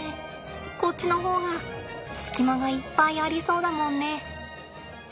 こっちの方が隙間がいっぱいありそうだもんね。